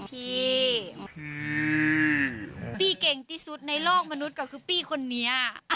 พี่ปีเก่งที่สุดในโลกมนุษย์ก็คือพี่คนนี้